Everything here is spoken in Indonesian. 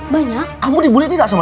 banyak kamu dibully tidak semua